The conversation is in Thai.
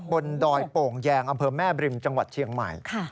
ดอยโป่งแยงอำเภอแม่บริมจังหวัดเชียงใหม่